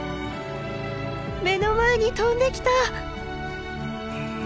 目の前に飛んできた！